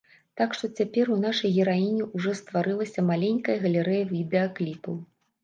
Так што цяпер у нашай гераіні ўжо стварылася маленькая галерэя відэакліпаў.